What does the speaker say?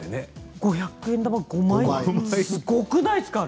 五百円玉、５枚ってすごくないですか？